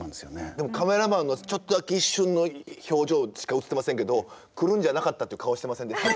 でもカメラマンのちょっとだけ一瞬の表情しか映ってませんけど「来るんじゃなかった」っていう顔してませんでした？